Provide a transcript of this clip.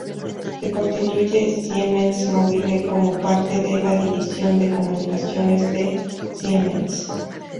Se constituye Siemens Mobile como parte de la división de Comunicaciones de Siemens.